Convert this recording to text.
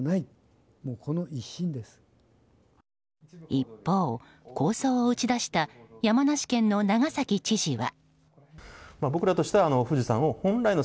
一方、構想を打ち出した山梨県の長崎知事は。